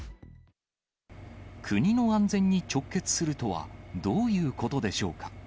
国の安全に直結するとは、どういうことでしょうか。